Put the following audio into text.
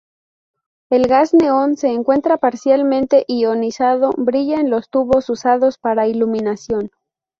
El gas neón se encuentra parcialmente ionizado; brilla en los tubos usados para iluminación.